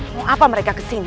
mengapa mereka datang ke sini